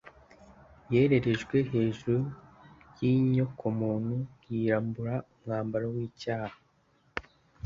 Yererejwe hejuru y’inyokomuntu, yiyambura umwambaro w’icyaha